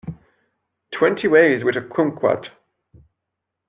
Twenty ways with a kumquat.